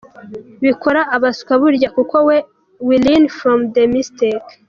Bikora abaswa burya kuko we learn from the mistake!!!!!.